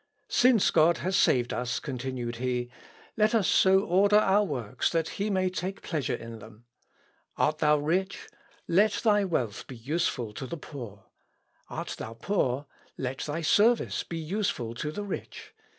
"Since God has saved us," continues he, "let us so order our works that he may take pleasure in them. Art thou rich, let thy wealth be useful to the poor. Art thou poor, let thy service be useful to the rich.